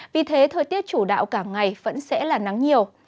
vì thế thời tiết chủ đạo cả ngày vẫn sẽ là nắng nhiều